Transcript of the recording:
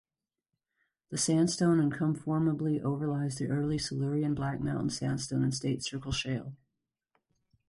The sandstone unconformably overlies the early Silurian Black Mountain Sandstone and State Circle Shale.